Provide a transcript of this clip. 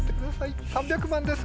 ３００万です